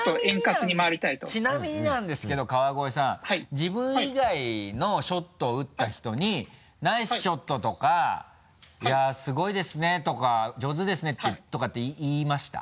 自分以外のショットを打った人に「ナイスショット」とか「いやすごいですね」とか「上手ですね」とかって言いました？